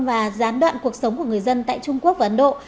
và gián đoạn cuộc sống của người dân tại trung quốc và ấn độ